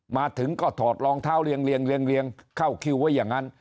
มาถึงก็ถอดรองเท้าเรียงเข้าคิวไว้อย่างนั้น